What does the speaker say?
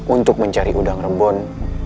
untuk mencari udang rebun